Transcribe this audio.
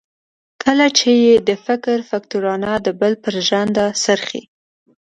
کله چې یې د فکر فکټورنه د بل پر ژرندو څرخي.